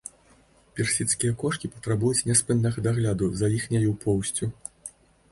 Персідскія кошкі патрабуюць няспыннага дагляду за іхняю поўсцю.